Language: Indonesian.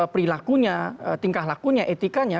perilakunya tingkah lakunya etikanya